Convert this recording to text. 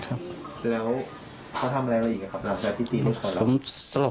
แล้วเขาทำอะไรอะไรอีกเปล่าพี่ตีขอรับ